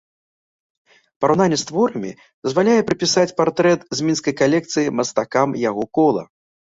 Параўнанне з творамі дазваляе прыпісаць партрэт з мінскай калекцыі мастакам яго кола.